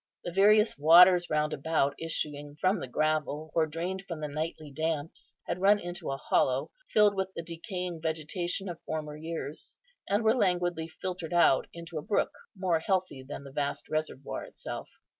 The various waters round about issuing from the gravel, or drained from the nightly damps, had run into a hollow, filled with the decaying vegetation of former years, and were languidly filtered out into a brook, more healthy than the vast reservoir itself.